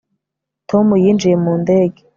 tom yinjiye mu ndege